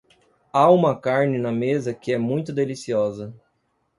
Há uma carne na mesa que é muito deliciosa.